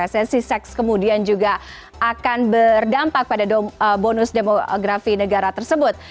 dan si seks kemudian juga akan berdampak pada bonus demografi negara tersebut